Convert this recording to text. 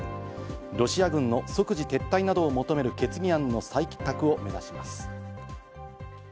ロシア軍の即時撤退などを求める決議案の採択を目指します。